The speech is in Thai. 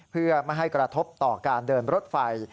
เพื่อไม่ให้กระทบต่อการเดินรถไฟ